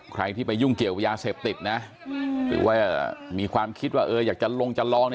ใครที่ไปยุ่งเกี่ยวยาเสพติดนะหรือว่ามีความคิดว่าอยากจะลงจะลอง